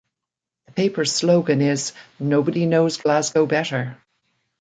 The paper's slogan is "Nobody Knows Glasgow Better".